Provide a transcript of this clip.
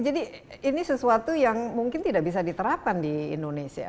jadi ini sesuatu yang mungkin tidak bisa diterapkan di indonesia